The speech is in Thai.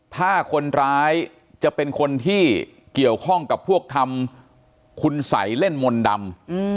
ถ้าคนร้ายจะเป็นคนที่เกี่ยวข้องกับพวกทำคุณสัยเล่นมนต์ดำ